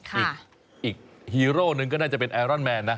อีกฮีโร่นึงก็น่าจะเป็นไอรอนแมนนะ